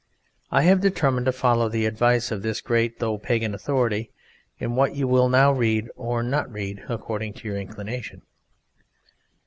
I have determined to follow the advice of this great though pagan authority in what you will now read or not read, according to your inclination.